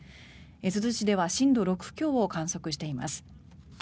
珠洲市では震度６強を観測しています。